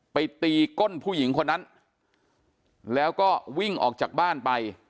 ไปตีก้นผู้หญิงคนนั้นแล้วก็วิ่งออกจากบ้านไป